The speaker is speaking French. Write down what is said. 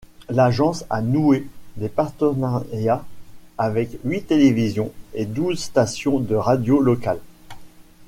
L'agence a noué des partenariats avec huit télévisions et douze stations de radio locales.